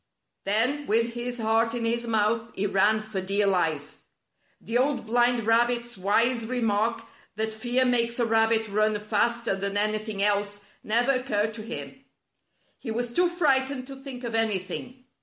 Then, with his heart in his mouth, he ran for dear life. The Old Blind Rabbit's wise remark that " fear makes a rabbit run faster than anything else " never occurred to him. He was too frightened to think of anything.